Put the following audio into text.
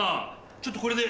ちょっとこれで。